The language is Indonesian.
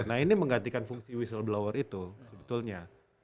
nah ini menggantikan fungsi whistleblower itu sebetulnya